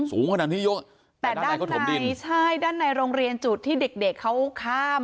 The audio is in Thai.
สูงขนาดนี้เยอะแต่ด้านตรงนี้ใช่ด้านในโรงเรียนจุดที่เด็กเด็กเขาข้าม